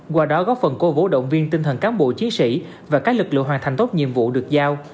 qua đó góp phần cố vũ động viên tinh thần cán bộ chiến sĩ và các lực lượng hoàn thành tốt nhiệm vụ được giao